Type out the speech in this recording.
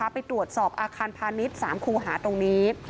ไปตรวจสอบอาคารพาณิชย์๓คูหาตรงนี้